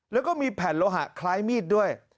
แล้วก็มีแผ่นโลหะคล้ายมีดด้วย